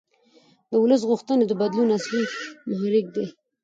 د ولس غوښتنې د بدلون اصلي محرک دي